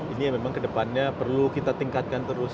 ini yang memang kedepannya perlu kita tingkatkan terus